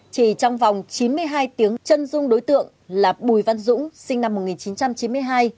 chỉ trong vòng chín mươi hai tiếng chân dung đối tượng là bùi văn dũng sinh năm một nghìn chín trăm chín mươi hai